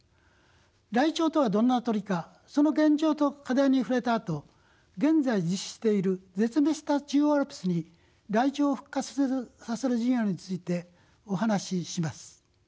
ライチョウとはどんな鳥かその現状と課題に触れたあと現在実施している絶滅した中央アルプスにライチョウを復活させる事業についてお話しします。